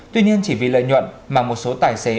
tuy nhiên chỉ vì lợi nhuận mà một số tài xế